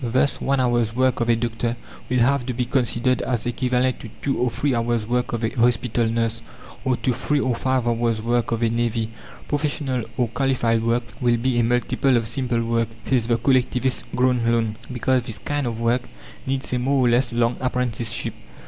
Thus one hour's work of a doctor will have to be considered as equivalent to two or three hours' work of a hospital nurse, or to three or five hours' work of a navvy. "Professional, or qualified work, will be a multiple of simple work," says the collectivist Grönlund, "because this kind of work needs a more or less long apprenticeship."